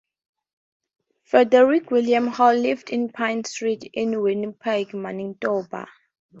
Frederick William Hall lived on Pine Street, in Winnipeg, Manitoba.